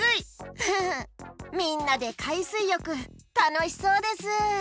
フフッみんなでかいすいよくたのしそうです。